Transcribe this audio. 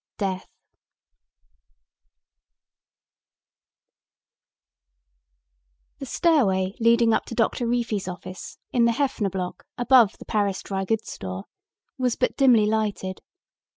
DEATH The stairway leading up to Doctor Reefy's office, in the Heffner Block above the Paris Dry Goods store, was but dimly lighted.